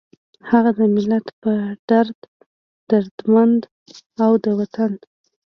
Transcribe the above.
هغه د ملت پۀ دړد دردمند، او د وطن